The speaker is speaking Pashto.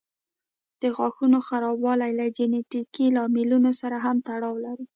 د غاښونو خرابوالی له جینيټیکي لاملونو سره هم تړاو لري.